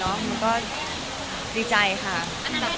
อันทางไหนค่ะคุณค่ะเจ้าข้างนี้